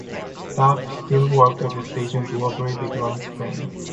Staff still worked at the station to operate the ground frame.